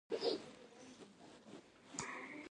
تر یاکس پاساج وروسته ودانۍ او څلي جوړول بند شول.